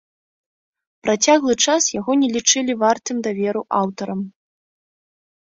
Працяглы час яго не лічылі вартым даверу аўтарам.